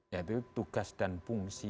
yaitu tugas dan fungsi